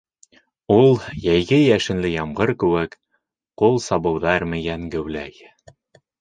Ул, йәйге йәшенле ямғыр кеүек, ҡул сабыуҙар мейән геүләй.